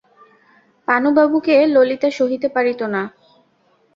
পানুবাবুকে ললিতা সহিতে পারিত না।